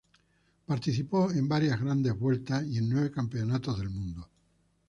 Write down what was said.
Participó en varias Grandes Vueltas y en nueve campeonatos del mundo.